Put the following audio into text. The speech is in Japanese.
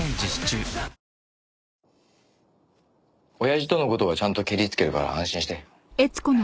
親父との事はちゃんとケリつけるから安心して。